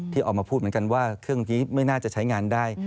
ออกมาพูดเหมือนกันว่าเครื่องนี้ไม่น่าจะใช้งานได้